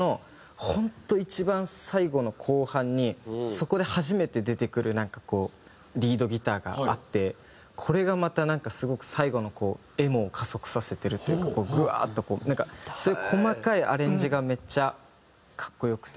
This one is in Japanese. そこで初めて出てくるリードギターがあってこれがまたなんかすごく最後のエモを加速させてるというかグワーッとこうなんかそういう細かいアレンジがめっちゃ格好良くて。